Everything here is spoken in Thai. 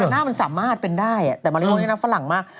หน้ามันสามารถเป็นได้แต่มาริโอนี่นะฝรั่งมาก